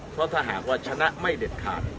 เพราะถ้าหากว่าชนะไม่เด็ดขาด